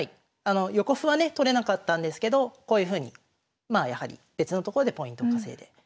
横歩はね取れなかったんですけどこういうふうに別のところでポイントを稼いで。